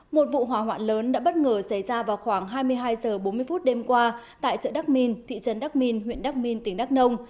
một vụ hỏa hoạn lớn đã bất ngờ xảy ra vào khoảng hai mươi hai h bốn mươi phút đêm qua tại chợ đắk minh thị trấn đắc minh huyện đắc minh tỉnh đắk nông